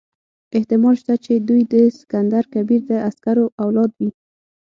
احتمال شته چې دوی د سکندر کبیر د عسکرو اولاد وي.